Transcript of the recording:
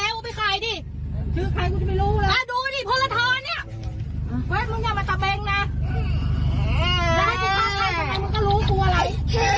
แม่งเขาไม่รู้ตัวอะไร